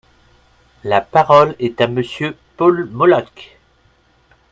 La parole est à Monsieur Paul Molac.